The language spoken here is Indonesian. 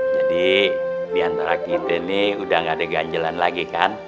jadi diantara kita nih udah gak ada ganjelan lagi kan